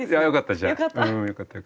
よかった。